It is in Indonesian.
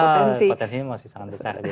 iya potensi ini masih sangat besar